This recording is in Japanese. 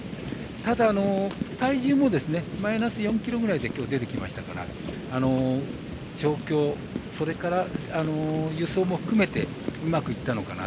ただ、体重もマイナス４ｋｇぐらいで今日、出てきましたから調教、それから輸送も含めてうまくいったのかな。